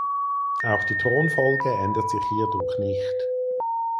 Auch die Thronfolge ändert sich hierdurch nicht.